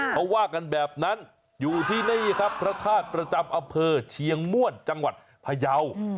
เขาว่ากันแบบนั้นอยู่ที่นี่ครับพระธาตุประจำอำเภอเชียงม่วนจังหวัดพยาว